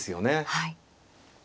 はい。